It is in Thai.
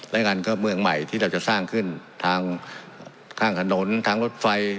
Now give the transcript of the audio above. และงานก็เมืองใหม่ที่เราจะสร้างขึ้นทางข้างถนนทางรถไฟ